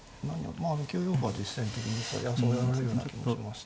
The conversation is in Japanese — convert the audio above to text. まああの９四歩は実戦的にいやそうやられるような気もしました。